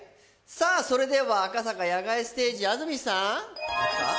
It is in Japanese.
それでは赤坂野外ステージ安住さん！